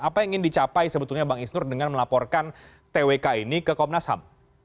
apa yang ingin dicapai sebetulnya bang isnur dengan melaporkan twk ini ke komnas ham